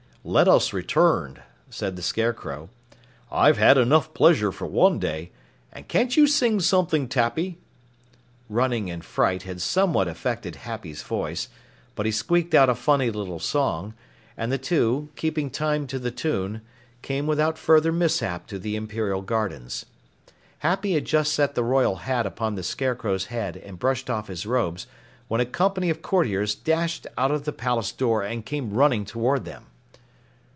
"Let us return," said the Scarecrow. "I've had enough pleasure for one day, and can't you sing something, Tappy?" Running and fright had somewhat affected Happy's voice, but he squeaked out a funny little song, and the two, keeping time to the tune, came without further mishap to the Imperial gardens. Happy had just set the royal hat upon the Scarecrow's head and brushed off his robes when a company of courtiers dashed out of the palace door and came running toward them.